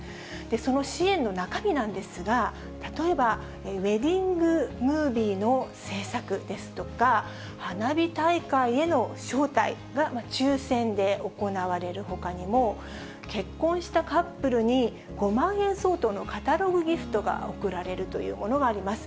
その支援の中身なんですが、例えばウエディングムービーの制作ですとか、花火大会への招待が抽せんで行われるほかにも、結婚したカップルに５万円相当のカタログギフトが贈られるというものがあります。